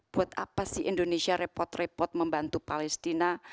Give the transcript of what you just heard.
buat apa sih indonesia repot repot membantu palestina